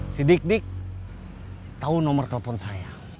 si dik dik tahu nomor telepon saya